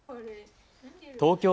東京